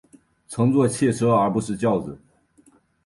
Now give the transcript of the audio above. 乘坐汽车而不是轿子